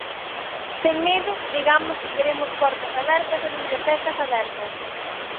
Sen medo digamos que queremos portas abertas e bibliotecas abertas.